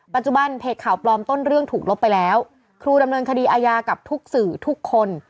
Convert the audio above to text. เพจข่าวปลอมต้นเรื่องถูกลบไปแล้วครูดำเนินคดีอาญากับทุกสื่อทุกคน